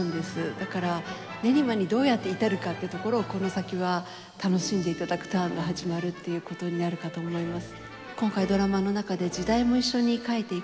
だから練馬にどうやって至るかってところをこの先は楽しんでいただくターンが始まるっていうことになるかと思います。